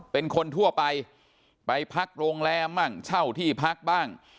เป็นคนทั่วไปไปพักโรงแรมบ้างเช่าที่พักบ้าง